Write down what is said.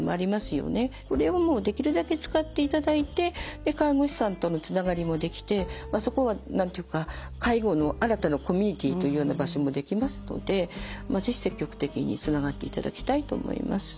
これをもうできるだけ使っていただいて介護士さんとのつながりもできてそこは何て言うか介護の新たなコミュニティというような場所もできますので是非積極的につながっていただきたいと思います。